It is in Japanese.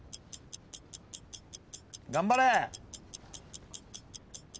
・頑張れ！